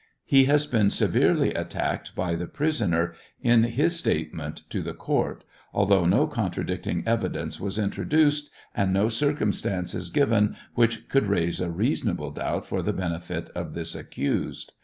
He has been severely attacked by the prisoner in his statement to the court, although no contradicting evidence was introduced and no circumstances given which could raise a reasonable doubt for the benefit of this accused.